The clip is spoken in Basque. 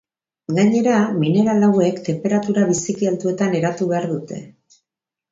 Gainera, mineral hauek, tenperatura biziki altuetan eratu behar dute.